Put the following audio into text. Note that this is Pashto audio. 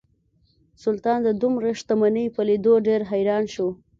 سلطان د دومره شتمنۍ په لیدو ډیر حیران شو.